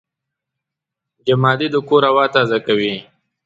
جمادې د کور هوا تازه کوي.